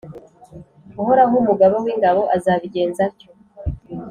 Uhoraho, Umugaba w’ingabo, azabigenza atyo,